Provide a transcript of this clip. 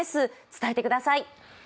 伝えてください。